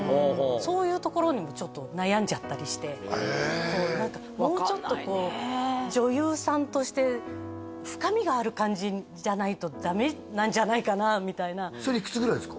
そういうところにもちょっと悩んじゃったりしてこう何かもうちょっとこう女優さんとして深みがある感じじゃないとダメなんじゃないかなみたいなそれいくつぐらいですか？